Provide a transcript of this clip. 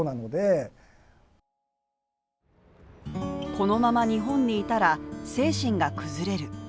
このまま日本にいたら、精神が崩れる。